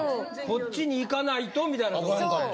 こっちに行かないとみたいなのがあった。